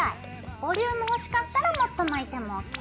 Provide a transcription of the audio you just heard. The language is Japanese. ボリューム欲しかったらもっと巻いてもＯＫ！